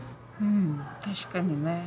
確かにね。